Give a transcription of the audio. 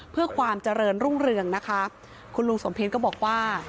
เพื่อความเจริญรุ่งเรืองนะคะคุณลุงสมเพียรก็บอกว่า